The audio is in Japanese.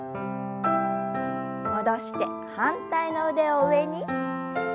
戻して反対の腕を上に。